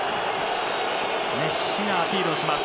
メッシがアピールをします。